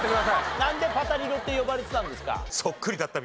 なんで「パタリロ」って呼ばれてたんですか？